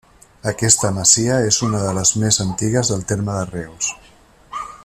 Aquesta masia és una de les més antigues del terme de Reus.